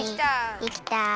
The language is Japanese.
できた！